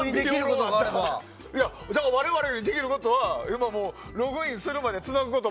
じゃあ我々にできることは今、ログインするまでつなぐこと。